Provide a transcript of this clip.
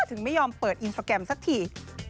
เพื่อเปิดอินฟอร์แกรมสักที